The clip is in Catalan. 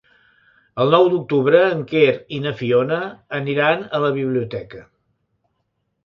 El nou d'octubre en Quer i na Fiona aniran a la biblioteca.